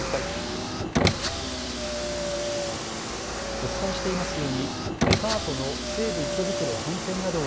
お伝えしていますようにデパートの西武池袋本店などを